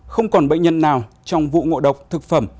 không còn bệnh nhân nào trong vụ ngộ độc thực phẩm